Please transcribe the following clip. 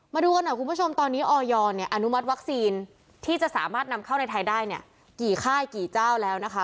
มาดูกันหน่อยคุณผู้ชมตอนนี้ออยอนุมัติวัคซีนที่จะสามารถนำเข้าในไทยได้เนี่ยกี่ค่ายกี่เจ้าแล้วนะคะ